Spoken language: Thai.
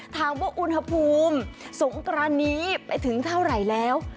ถามว่าอุณหภูมิสงกรานนี้ไปถึงเท่าไหร่แล้ว